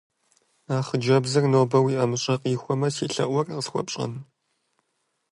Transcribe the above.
А хъыджэбзыр нобэ уи ӀэмыщӀэ къихуэмэ, си лъэӀур къысхуэпщӀэн?